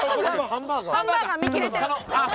ハンバーガー見切れてる。